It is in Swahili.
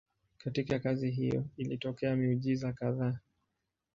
Katika kazi hiyo ilitokea miujiza kadhaa.